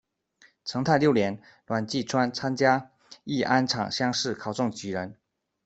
成泰六年，阮季牕参加乂安场乡试，考中举人。